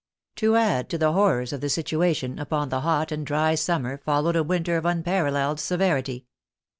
'* To add to the horrors of the situation, upon the hot and dry summer followed a winter of unparalleled severity.